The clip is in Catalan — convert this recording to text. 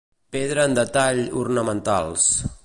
Pedra en detall ornamentals.